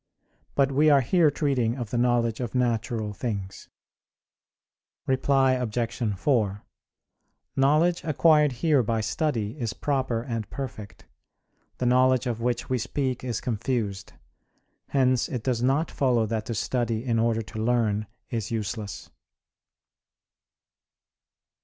But we are here treating of the knowledge of natural things. Reply Obj. 4: Knowledge acquired here by study is proper and perfect; the knowledge of which we speak is confused. Hence it does not follow that to study in order to learn is useless.